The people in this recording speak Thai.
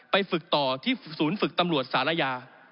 ไปฝึกต่อที่ฝึกษูนย์ฝึกตำรวจสาระยา